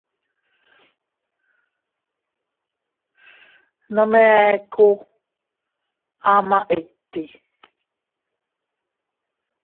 Nome eku ama iti.